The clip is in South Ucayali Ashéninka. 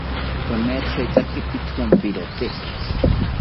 Kamethaperotaki pithonpirote